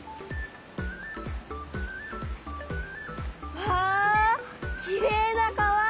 わあきれいな川！